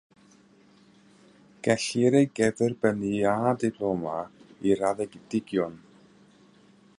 Gellir ei gyferbynnu â diploma i raddedigion.